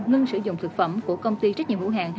ngưng sử dụng thực phẩm của công ty trách nhiệm hữu hàng